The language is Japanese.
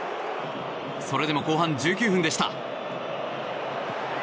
それでも、後半１９分でした。